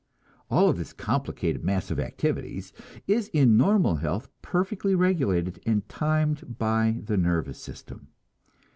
All of this complicated mass of activities is in normal health perfectly regulated and timed by the nervous system.